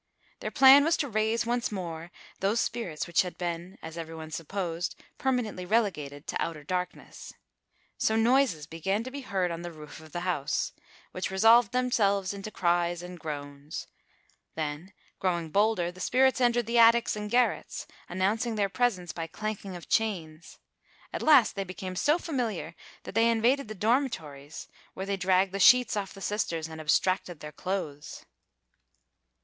Their plan was to raise once more those spirits which had been, as everyone supposed, permanently relegated to outer darkness. So noises began to be heard on the roof of the house, which resolved themselves into cries and groans; then growing bolder, the spirits entered the attics and garrets, announcing their presence by clanking of chains; at last they became so familiar that they invaded the dormitories, where they dragged the sheets off the sisters and abstracted their clothes.